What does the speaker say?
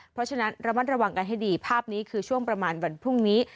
เพราะฉะนั้นระมัดระวังกันให้ดีภาพนี้คือช่วงประมาณวันพรุ่งนี้